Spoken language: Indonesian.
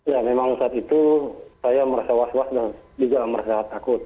ya memang saat itu saya merasa was was dan juga merasa takut